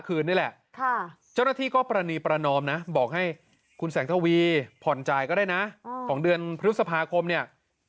คือมันแพงเกินหรอแพงเกินไป